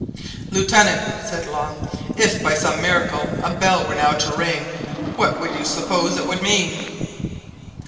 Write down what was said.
"Lieutenant," said Long, "if by some miracle a bell were now to ring, what do you suppose it would mean?"